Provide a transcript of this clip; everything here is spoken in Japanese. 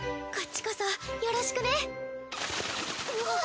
こっちこそよろしくね。